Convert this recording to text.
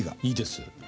いいです。